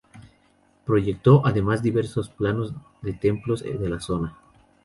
Proyectó además diversos planos de templos de la zona.